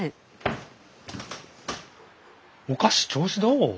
お菓子調子どう？